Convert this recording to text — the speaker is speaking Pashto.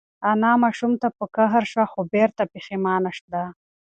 انا ماشوم ته په قهر شوه خو بېرته پښېمانه ده.